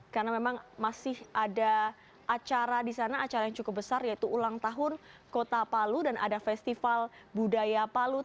karena memang masih ada acara di sana acara yang cukup besar yaitu ulang tahun kota palu dan ada festival budaya palu